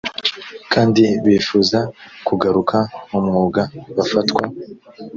kandi bifuza kugaruka mu mwuga bafatwa